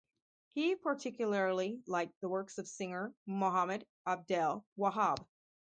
He particularly liked the works of singer Mohammed Abdel Wahab.